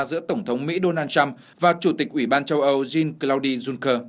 giữa tổng thống mỹ donald trump và chủ tịch ủy ban châu âu jean claude juncker